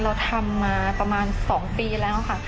เราทำมาประมาณ๒ปีแล้วค่ะ